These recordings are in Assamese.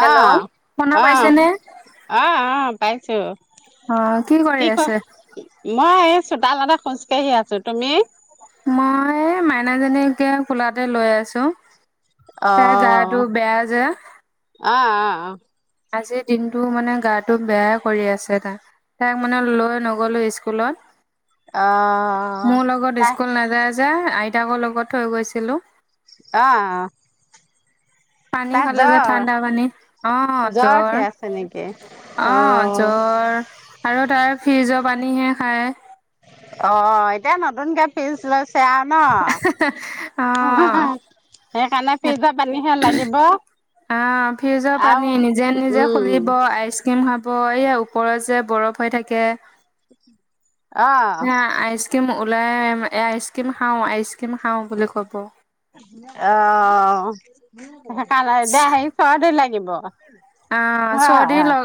হেল্ল' অহ শুনা -অহ পাইছেনে? -অহ-অহ পাইছো। অ কৰি কি ক আছে? মই এ চোতালতে খোজকাঢ়ি আছো তুমি? মই এই মাইনাজনীকে কোলাতে লৈ আছো। তাইৰ গাটো বেয়া যে। অহ - অহ - অহ আজিৰ দিনটো মানে গাটো বেয়াই কৰি আছে তাৰ সেয়ে মানে লৈ নগলো স্কুলত। অহ, তাই যায় আইতাকৰ লগত থৈ গৈছিলো। অহ - অ পানী তাত খালে যে জ্বৰ, ঠাণ্ডা পানী অহ জ্বৰ উঠি আছে নেকি? -অহ অ', জ্বৰ আৰু তাই ফ্ৰিজৰ পানী হে খায়। অহ, এতিয়া নতুনকে ফ্ৰীজ লৈছ [unintelligible] ন [unintelligible] সেইকাৰণে অ ফিজৰ পানীহে লাগিব আহ ফ্ৰিজৰ পানী আৰু উম। ব এইয়া ওপৰত যে বৰফ হৈ থাকে [inaudible] না আইচ ক্ৰিমো ওলাই এ আইচ ক্ৰীম খাও- আইচ ক্ৰীম খাও বুলি কব। আহ সেকানে দে আহি চৰ দেৰি লাগিব বহ অহ চৰদি ল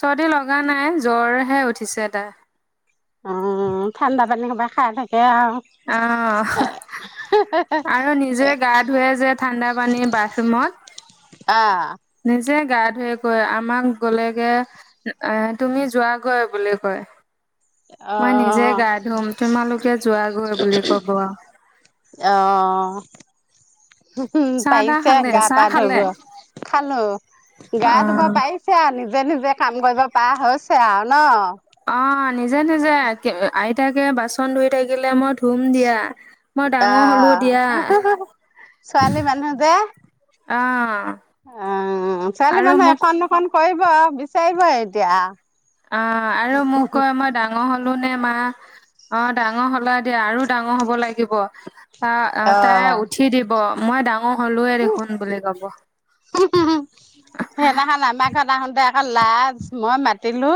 চৰ্দি লগা নাই জ্বৰহে উঠিছে তাই অ ঠাণ্ডা পানী সোপাকে খাই থাকে আৰু অহ আৰু নিজে গা ধুৱে যে ঠাণ্ডা পানী বাথৰুমত অ' নিশ্চয় যে গা ধুই কৈ আমাক গলেগে এ তুমি যোৱাগৈ বুলি কয় মই নিজে গা ধুম তোমালোকে যোৱাগৈ বুলি কব মহু চাহ তাহ পাৰিছে খালে গা চাহ পা ধুব খালে? খালো গা ধুব অ', পাৰিছে আৰু নিজে নিজে কাম কৰিব পাৰা হৈছে আৰু ন অ নিজে নিজে কে আইতাকে বাচন ধুই থাকিলে মই ধুম দিয়া। মই ডাঙৰ হ'লো আহ দিয়া ছোৱালী মানুহ যে অ', উম ছোৱালী আৰু মানুহ মোক এখন দুখন কৰিব বিচাৰিবই এতিয়া অ আৰু মোক কয় মই ডাঙৰ হলো ন নে মা অ ডাঙৰ হ'লা দিয়া আৰু ডাঙৰ হব লাগিব ত তাই অ' উঠি দিব মই ডাঙৰ হ'লোৱয়ে দেখোন বুলি কব হু সেইদিনাখন আমাৰ ঘৰত আহোঁতে অ লাজ মই মাতিলো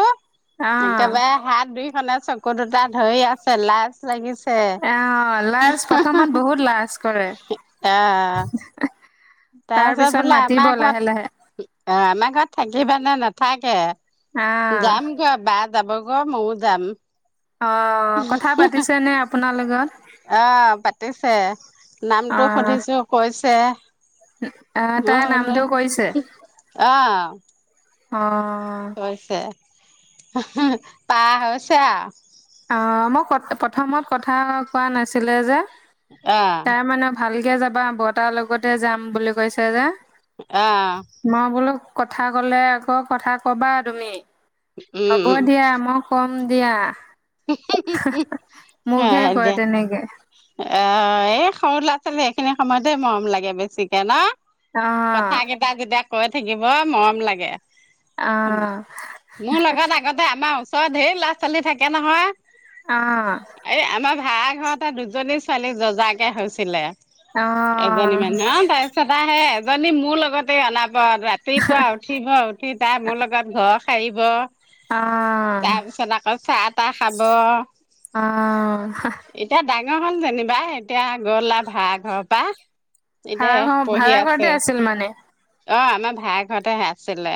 অ', একেবাৰে হাত দুই খনে চকু দুটা ধৰি আছে লাজ লাগিছে আহ লাজ প্ৰথমত বহুত লাজ কৰে অ' তাৰ তাৰপিছত পিছত বোলে মাতিব আমাৰ লাহে লাহে ঘৰত অ আমাৰ ঘৰত থাকি থাকিব নে নথাকে অ'। যাম গৈ বাট যাব কময়ও যাম অ কথা উহু পাতিছে নে আপোনাৰ লগত আহ পাতিছে অ নামটো সুধিছো কৈছে আহ মই তাই বোলো নামটো কৰিছে আহ অহ কৈছে পা হৈছে অ অ মই ক প্ৰথমত কথা কোৱা নাছিলে যে অ তাই মানে ভাল কেতিয়া যাবা বৰ্টাৰ লগতে যাম বুলি কৈছে যে। আহ মই বোলো কথা ক'লে আকৌ কথা কবা তুমি? উম হ'ব দিয়া মই কম, হব দিয়া হ মোকহে কয় দিয়া তেনেকে অ [unintelligible] এই সৰু ল'ৰা ছোৱালী এইখিনি সময়তে মৰম লাগে বেছিকে ন? অ কথা কেইটা যে দেখ কৈ থাকিব মৰম লাগে, অ মোৰ লগত আগতে আমাৰ ওচৰৰ অ ধেই লৰা ছোৱালী থাকে একে নহয় অ তাৰ ঘৰতে দুজনী ছোৱালী যজা কে হৈছিলে। অ এজনী মানহ ন তাৰপিছত আহ আহে এজনী মোৰ লগত অ [unintelligible] ৰাতিপুৱা উঠিব উঠি তাই মোৰ লগত ঘৰ পাৰিব, অ তাৰপিছত আকৌ চাত খাব অ এতিয়া ডাঙৰ হ'ল যেনিবা এতিয়া গ'লা ভাড়া ঘৰৰ পৰা এতিয়া ভাড়া ঘৰ পঢ়ি ভাড়া ঘৰতে আছে আছিল মানে অ আমাৰ ভাই ঘৰতেহে আছিলে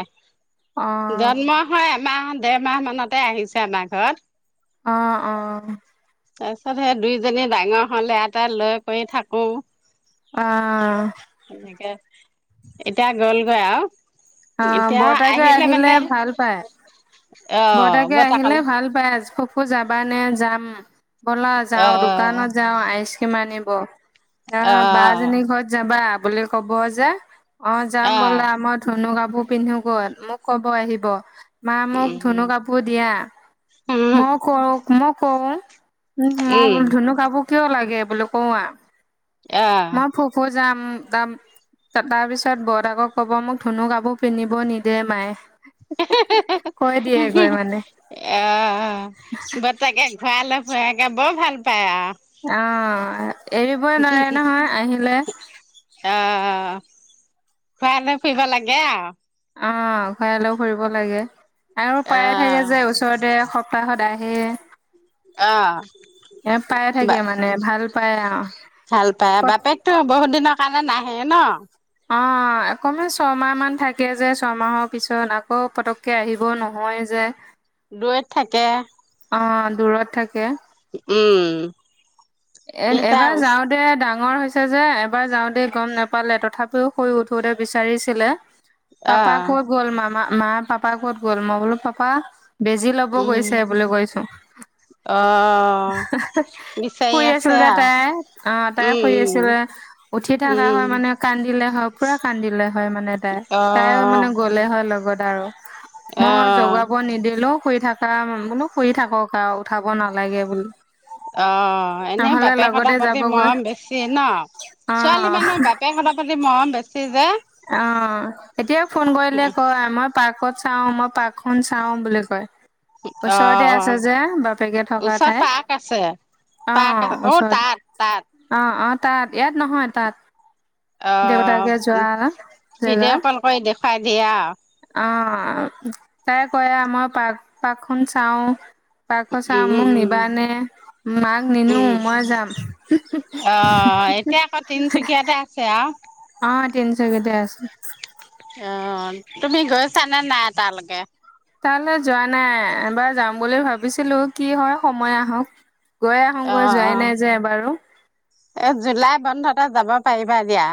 অ', জন্ম হয় এমাহ ডেৰ মাহ মানতে আহিছে আমাৰ ঘৰত অ অ তাৰ পিছত সেই দুইজনী ডাঙৰ হলে এটা লৈ কৰি থাকো, আহ এনেকে এতিয়া গ'লগৈ আৰু অ এতিয়া বৰ্তাকে আহিলে মানে ভাল পায় অ' বৰ্তাকে বৰ্তাকাল আহিলে ভাল পায় আজ খুব। আকৌ যাবা নে যাম। বলা যাওঁ অ' দোকানত যাওঁ আইচ সমানিব আহ বা অ' জনি ঘৰত যাবা বুলি ক'ব যে অ যাম বোলে অ' আমই ধুনু কাপো পো পিন্ধো গৈ মোক কব আহিব। মা মোক উম ধুনু কাপোৰ দিয়া উম মই ক মই কও উ মই উম বোল ধুনু কাপো কিয় লাগে বোলে কও আও অ' ম ফোফু যাম। তাৰ পিছত বৰ্তাকক কব মোক ধুনু কাপোৰ পিন্ধিব নিদে মায়ে অ বতাকে কৈ দিয়েগৈ ঘূৰাই মানে লৈ ফুৰে। তে বৰ ভাল পায় আৰু। অ এৰিবই নোৱাৰে নহয় আহিলে। অ ফুৱাই লৈ ফুইব লাগে আ অ ঘুৰায়লৈ ফুৰিব লাগে। আৰু পায়ে থাকে অ' যে ওচৰতে সপ্তাহ সদায়। সেই অ বা মানে ভাল পায় আও ভাল পায় কত বাপেকতো বহুত দিনৰ কাৰণে নাহ। হে ন অ অকমান ছমাহ মান থাকে যে ছমাহৰ পিছত আকৌ পতককে আহিব নহয় যে। দুৰৈত থাকে অ দূৰত থাকে। উম এ এতিয়া এবাৰ যাওঁ তে ডাঙৰ ডাঙৰ হৈছে যে এবাৰ যাওঁতে গম নোপালে তথাপিও শুই উঠোতে বিচাৰিছিলে। পাপা অ' কত গ'ল মামা। মা পাপা ক'ত গ'ল মই বোলো পাপা বেজি লব উম গৈছে বুলি কৈছো। অ' বিচাৰি শুই আছে আছিল যে আৰু তাই অ তাই উম শুই উম আছিল উঠি থকা উম হয় মানে কান্দিলে হয় পুৰা কান্দিলে হয় মানে তাই অ তাই মানে গ'লে হয় লগত। বাৰু অ মই জগাব নিদিলো শুই থকা বোলো শুই থাকক আৰু উঠাব নালাগে বোলো। অঁ এনেও বাপেক হতঁৰ প্ৰতি যাবগৈ মৰম বেছি ন ছোৱালী মানুহৰ অ বাপেক হতঁৰ প্ৰতি মৰম বেছি যে। অ এতিয়া ফোন কৰিলে কয় আমাক। পাৰ্কত চাওঁ মই পাৰ্কখন চাওঁ বুলি কয়। ওচৰতে আছে অঁ যে বাপেকে থকা ওচৰতে ঠাই পাৰ্ক আছপাৰ্ৰ্ক অ', অঁ অঁ ওচৰতে তাত- অ', অ', তাত তাত ইয়াত নহয় তাত। অ দেউতাকে যোৱা। ভিডিঅ' কল কৰি দেখুৱাই সে দিয়া অঁ তাই কয় আমাৰ পাৰ্ক পাৰ্কখন চাওঁ পাৰ্ক খন উম চাওঁ উম মোক উম নিবানে মাক নিনো উম মই যাম অ এতিয়া আকৌ তিনচুকীয়াতে আছে আৰু অ তিনিচুকীয়াতে আছে অ তুমি গৈছানে নাই তালৈকে তাৰে যোৱা নাই এবাৰ যাম বুলি ভাবিছিলো কি হয় সময় আহক গৈ অ আহোঁগৈ অ যোৱাই নাই যে এবাৰু টা যাবা পাৰিবা দিয়া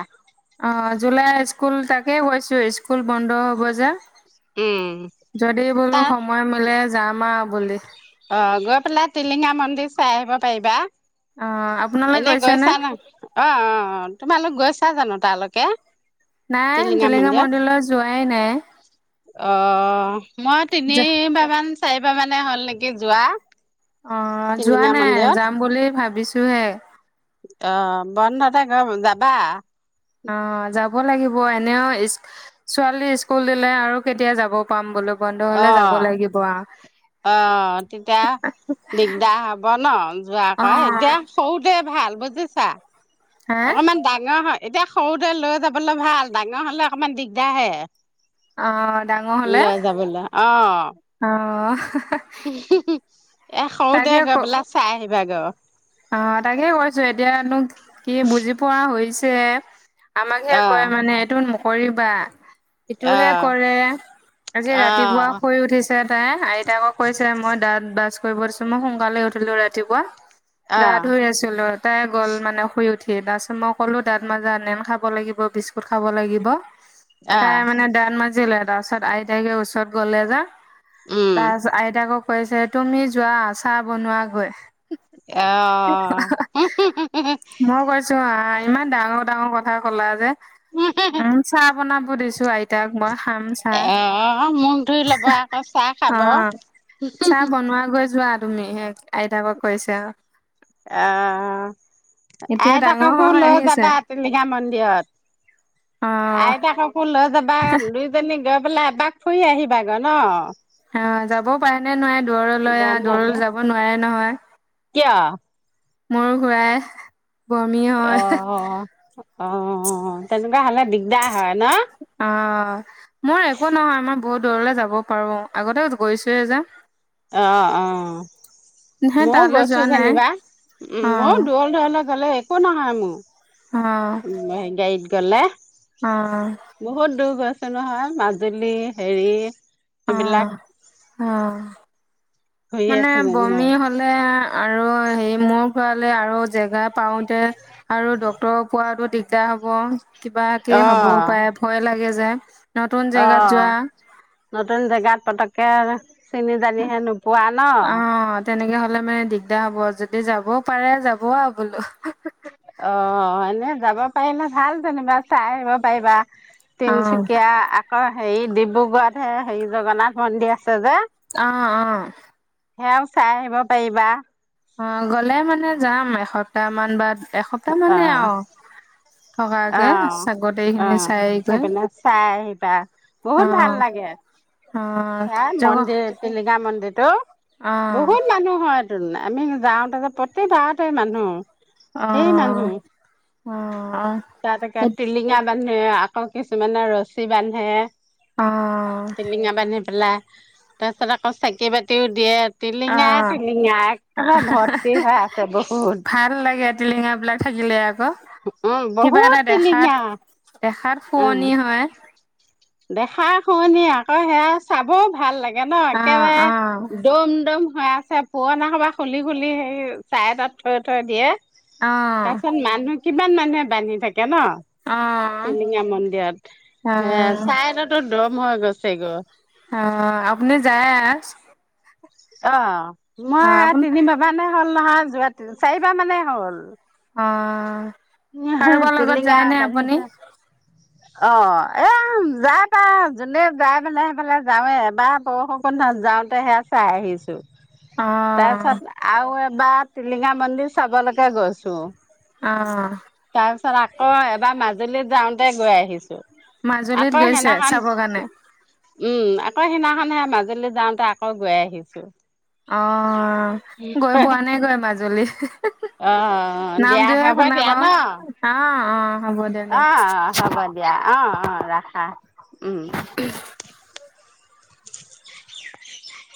অঁ জুলাই স্কুল তাকে কৈছো স্কুল বন্ধ হ'ব যে। উম যদি বোলো সময় মিলে যাম আৰু অঁ গৈ বলা টিলিঙা মন্দিৰ চাই আহিব পাৰিবা অ আপোনালোক এনে গৈছেনে গৈছা না অঁ অ অঁতোমালোক গৈছা চা জানো তালৈকে নাই টিলিঙা মন্দিৰত মন্দিৰলৈ যোৱাই নাই আহ মই যা তিনিবাৰ মান চাইবাৰ মান না হ'ল নেকি যোৱা অঁ যোৱা টিলিঙা নাই যাম বুলি ভাবিছো ভাবিছোহে অঁ বন্ধতে গম যাবা অঁ যাব লাগিব এনেওঁ ছোৱালী স্কুল দিলে আৰু কেতিয়া যাব পাম বোলো বন্ধ হলে যাব লাগিব আৰু অঁ তেতিয়া দিগদাৰ হব ন অ যোৱাকৈ এতিয়া সৰুতে ভাল বুজিছা। হে অকমান ডাঙৰ হয়। এতিয়া সৰুতে লৈ যাবলৈ ভাল, ডাঙৰ হ'লে অকমান দিগদাৰ হে। অ' ডাঙৰ হ'লে, লৈ যাবলৈ অ অ'! এ হওঁ দে, তাকে ক গৈ পেলাই চাই আহিম। বেগৰ অ' তাকে কৈছোঁ এতিয়নো কি বুজি পোৱা হৈছে। যে আমাকহে কয় আহ মানে এইটো কৰিবা। সেইটোহে আহ কৰে, আজি ৰাতিপুৱা আহ শুই উঠিছে। [unintelligible] তেওঁকো কৈছে, মই দাঁত ব্ৰাছ কৰি গৈছোঁ, মই সোনকালে উঠিলোঁ ৰাতিপুৱা। গা আহ ধুই আছিলোঁ। টাই গ'ল মানে, শুই উঠি, তাৰপিছত মই ক'লোঁ দাঁত মাজা নেন খাব লাগিব, বিস্কুট খাব লাগিব। তাই আহ মানে দাঁত মাজিলে তাৰপাছত আইতাকে ওচৰত গ'লে যা উম তাৰপিছত আইতাকাক কৈছে, তুমি যোৱা চাহ বনোৱাগৈ। আহ মই কৈছোঁ অ'হ ইমান ডাঙৰ, ডাঙৰ কথা ক'লা যে? উম চাৰ বনাব দিছোঁ আই অ'হ মখ ধুই ল'ব, আকৌ চাহ অ খাব চাহ বনোৱা গৈ যোৱা তুমি সেই আইতাকক কৈছা। অ' এতিয়া ডাঙৰ হৈ আইতাককো হৈ লৈ আহি আছে যাবা, টিলিঙা মন্দিৰত, অ আইতাককো লৈ যাবা। বা দুইজনীক বা গৈ পেলাই এপাক ফুৰি আহিবাগৈ ন। অ যাবও পাৰে নে নোৱাৰে, দূৰলৈ আহ, বন্ধতে দূৰলৈ যাব নোৱাৰে নহয়। [inaudible] কিয়? মোৰ ঘূৰাই। বমি হয়। অ অ তেনে কা হ'লে দিগদাৰ হয় ন। অ [unintelligible] মোৰ একো নহয় আমাৰ বহুত দূৰলৈ যাব পাৰো আগতে গৈছোৱে যে। অ অ হে ময়ও তালৈ গৈছো যোৱা নাই যেনিবা উম অ মই দূৰ দূৰলৈ গ'লে ক নহয় মোৰ অ উম গাড়ীত। গলে বহুত দূৰ বাছ নহয় মাজুলী হেৰি অ এইবিলাক অ ঘূৰিয়ে মানে ফুৰো বমি মই হলে আৰু হেৰি মোৰ খোৱালে আৰু জেগা পাওতে আৰু ডক্তৰ পোৱাটো যা হ'ব কিবাকে অ হবও পাৰে ভয় লাগে যে। নতুন অ জেগাত যোৱা নতুন জেগাত পতককে। চিনি জানিহে নোপোৱা ন অ তেনেকে হলে মানে দিগদাৰ হ'ব। যদি যাবও পাৰে যাব আৰু বোলো। অ এনে যাব পাৰিলে ভাল যেনিবা চাই আহিব পাৰিবা। অ তিনচুকীয়া আকৌ হেৰি ডিব্ৰুগড়ত হে হেৰি জগন্নাথ মন্দিৰ আছে যে। আহ অ সেয়াও চাই আহিব পাৰিবা। অ গ'লে মানে যাম এসপ্তাহ মান বাট এসপ্তাহ মানে আৰু থকাকে আহ গোটেই খিনি আহ চাইগৈ সেইপিনে চাই আহিবা অ বহুত ভাল লাগে অ আৰু। জগ মন্দিৰ টিলিঙা মন্দিৰটো অ বহুত মানুহ হয়। আমি যাওঁতে যে প্ৰতি বাৰতে মানুহ অ অ তাতেক অ তিলিঙাত বান্ধে, আকৌ কিছুমানে ৰছী বান্ধে। অ', টিলিঙা বান্ধি পেলাই তাৰ পিছত আকৌ চাকি-বাতিও দিয়ে। টিলিঙায়ে অ', টিলিঙা। একেবাৰে ভৰ্তি হৈ আছে বহুত। ভাল লাগে টিলিঙা বিলাক থাকিলে। ন'? উম কিবা বহুত এটা টিলিঙা দেখাত- দেখাত উম শুৱনি হয়। দেখা শুনি আকৌ সেয়া চাবও ভাল লাগ গে ন', অ', অ', একেবাৰে দম-দম হৈ আছে। পুৰণা সোপা খুলি - খুলি সেই ছাৰে তাত থৈ - থৈ দিয়ে। অ', তাৰপিছত মানুহ কিমান মানুহে বান্ধি থাকে ন'। অ', টিলিঙা মন্দিৰত। ‌ সেই অ', চাহ এটাতো দ ম গছে গ অ' আপুনি যায় আই? অ'। মই তিনিবাবা নে নহয়। যোৱা তিন- চাৰিবাৰ মানে হ'ল। অ'। নহয় কাৰোবাৰ লগত টিলিঙা যায়নে বান্ধি আপুনি থোৱা অ' এ যা-তা যোনে যাই পেলে সেইফালে যাওঁৱে। এবাৰ বৰষুন কন যাওঁতেহে চাই আহিছোঁ। অ', তাৰপিছত আও এবাৰ টিলিঙা মন্দিৰ চাবলৈকে কৈছোঁ। অ', তাৰপিছত আকৌ এবাৰ মাজুলীত যাওঁতে গৈ আহিছোঁ। মাজুলীত গৈছে চাব কাৰণে? উম, আকৌ সিদিনাখনে মাজুলী যাওঁতে আকৌ গৈ আহিছোঁ। অ' গৈ পোৱা নাই গৈ মাজুলী। অ' দিয়া। নামটোহে হ'ব শুনা দিয়া পাওঁ ন'। অ', অ', হ'ব দে ন অ' হ'ব দিয়া। অ' - অ' ৰাখা। উম।